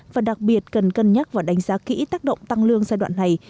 và đặc biệt cần cân nhắc và đánh giá kỹ tác động tăng lương giai đoạn này